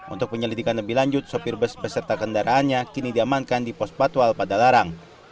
untuk penyelidikan lebih lanjut sopir bus beserta kendaraannya kini diamankan di pos patwal padalarang